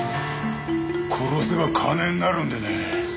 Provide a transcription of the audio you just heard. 殺せば金になるんでね。